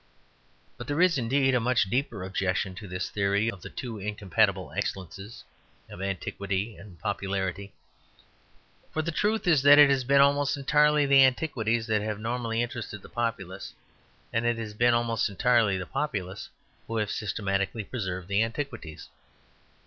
But there is indeed a much deeper objection to this theory of the two incompatible excellences of antiquity and popularity. For the truth is that it has been almost entirely the antiquities that have normally interested the populace; and it has been almost entirely the populace who have systematically preserved the antiquities.